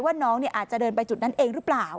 ว่าน้องอาจจะเดินไปจุดนั้นเองหรือเปล่า